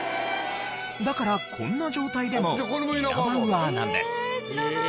だからこんな状態でもイナバウアーなんです。